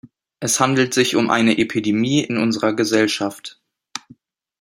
Es handelt sich um eine Epidemie in unserer Gesellschaft.